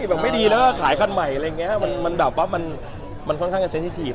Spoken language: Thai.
แบบมันไม่ดีแล้วขายคันใหม่แล้วก็คนสิทธิบ